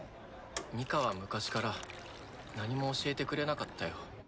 ニカは昔から何も教えてくれなかったよ。